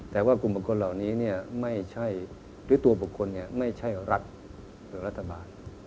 แต่ว่ากลุ่มบุคคลเหล่านี้ไม่ใช่หรือตัวบุคคลไม่ใช่รัฐหรือรัฐบาล